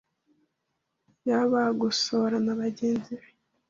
ya Bagosora na bagenzi be ,